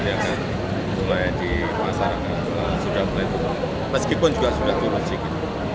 ya kan mulai di masyarakat sudah berhitung meskipun juga sudah turun sedikit